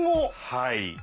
はい。